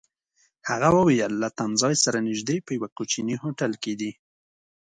هغه وویل: له تمځای سره نژدې، په یوه کوچني هوټل کي دي.